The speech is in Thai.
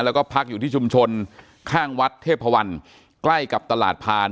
แล้วก็พักอยู่ที่ชุมชนข้างวัดเทพวันใกล้กับตลาดพาน